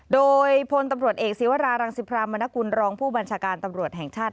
โดยพลตำรวจเอกศีวรารังสิพรามนกุลรองผู้บัญชาการตำรวจแห่งชาติ